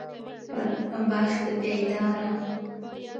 پر بخت بيداره